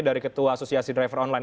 dari ketua asosiasi driver online